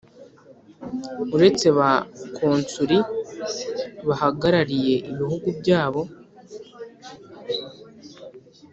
uretse ba konsuli bahagarariye ibihugu byabo